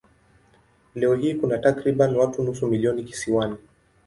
Leo hii kuna takriban watu nusu milioni kisiwani.